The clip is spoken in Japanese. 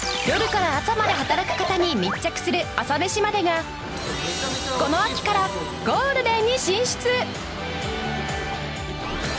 夜から朝まで働く方に密着する『朝メシまで。』がこの秋からゴールデンに進出！